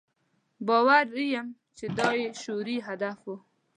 باوري یم چې دا یې شعوري هدف و.